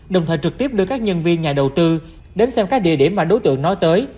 đồng thời trực tiếp đưa các nhân viên nhà đầu tư đến xem các địa điểm mà đối tượng nói tới